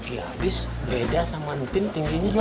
ya abis beda sama nting tingginya ceng